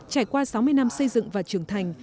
trải qua sáu mươi năm xây dựng và trưởng thành